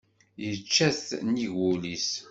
Yečča-t nnig wul-is.